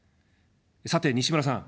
さて、西村さん。